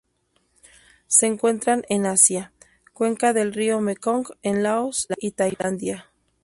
Se encuentran en Asia: cuenca del río Mekong en Laos y Tailandia.